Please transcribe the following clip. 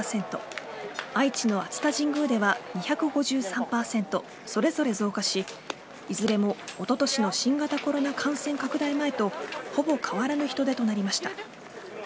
愛知の熱田神宮では２５３％それぞれ増加しいずれもおととしの新型コロナ感染拡大前とほぼ変わらぬ人出となりました。